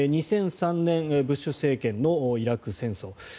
２００３年ブッシュ政権のイラク戦争。